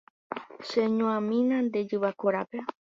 Cheañuãmi nde jyva korápe.